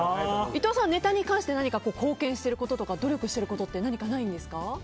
伊藤さん、ネタに関して貢献していることとか努力してることって何かないんですか？